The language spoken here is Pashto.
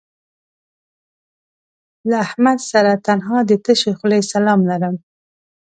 له احمد سره تنها د تشې خولې سلام لرم